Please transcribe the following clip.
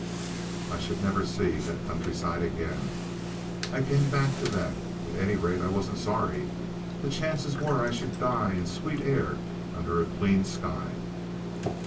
I should never see that country side again. I came back to that. At any rate I wasn't sorry. The chances were I should die in sweet air, under a clean sky.